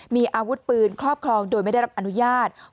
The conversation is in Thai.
มีอาวุธปืนครอบครองโดยไม่ได้รับอนุญาต